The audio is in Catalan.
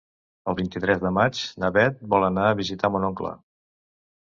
El vint-i-tres de maig na Beth vol anar a visitar mon oncle.